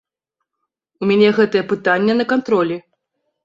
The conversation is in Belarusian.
У мяне гэтае пытанне на кантролі.